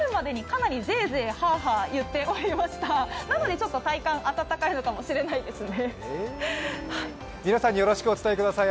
なのでちょっと体感、暖かいのかもしれないですね。